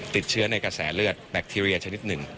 ติดเชื้อในกระแสเลือดแบคทีเรียชนิดหนึ่ง